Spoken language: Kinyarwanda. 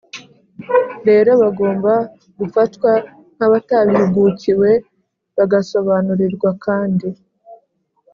rero bagomba gufatwa nk’abatabihugukiwe, bagasobanurirwa kandi